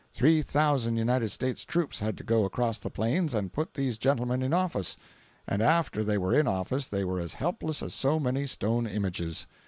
Three thousand United States troops had to go across the plains and put these gentlemen in office. And after they were in office they were as helpless as so many stone images.